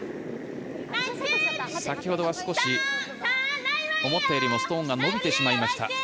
先ほどは少し思ったよりもストーンが伸びてしまいました。